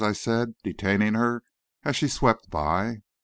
I said, detaining her as she swept by.